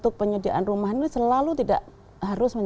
kemudian di negara negara lain